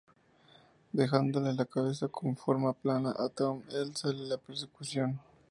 Dejándole la cabeza con forma plana a Tom, el sale a la persecución.